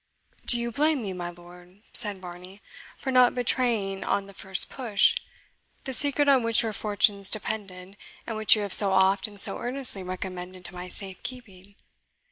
"Do you blame me, my lord," said Varney, "for not betraying, on the first push, the secret on which your fortunes depended, and which you have so oft and so earnestly recommended to my safe keeping?